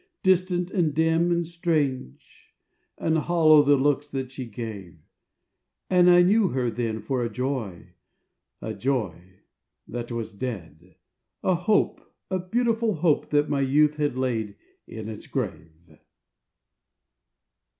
Distant and dim and strange: and hollow the looks that she gave: And I knew her then for a joy, a joy that was dead, A hope, a beautiful hope, that my youth had laid in its grave.